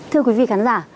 thưa quý vị khán giả